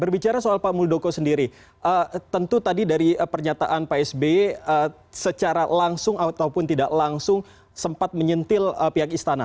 berbicara soal pak muldoko sendiri tentu tadi dari pernyataan pak sby secara langsung ataupun tidak langsung sempat menyentil pihak istana